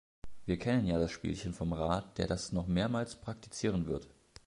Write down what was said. Wir kennen ja das Spielchen vom Rat, der das noch mehrmals praktizieren wird.